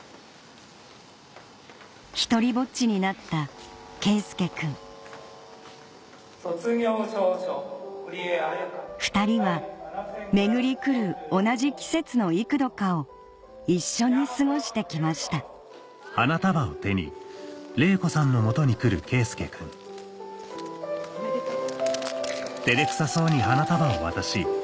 ひとりぼっちになった佳祐くん２人は巡りくる同じ季節の幾度かを一緒に過ごしてきましたおめでとう。